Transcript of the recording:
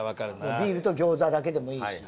ビールと餃子だけでもいいし。